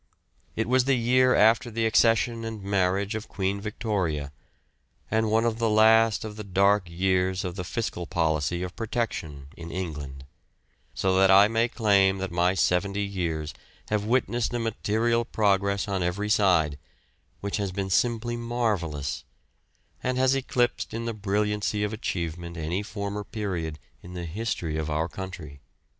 It was the year after the accession and marriage of Queen Victoria, and one of the last of the dark years of the fiscal policy of Protection in England; so that I may claim that my seventy years have witnessed a material progress on every side, which has been simply marvellous, and has eclipsed in the brilliancy of achievement any former period in the history of our country.